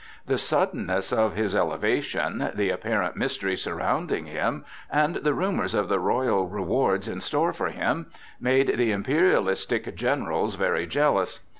The suddenness of his elevation, the apparent mystery surrounding him, and the rumors of the royal rewards in store for him, made the imperialistic generals very jealous.